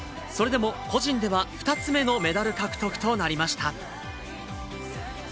それでも個人では２つ目のメダル獲得となりました。